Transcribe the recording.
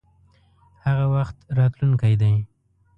هغه وخت راتلونکی دی.